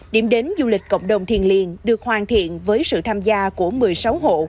điểm đến du lịch cộng đồng thiền liên được hoàn thiện với sự tham gia của một mươi sáu hộ